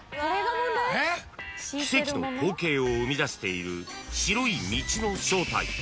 ［奇跡の光景を生み出している白い道の正体］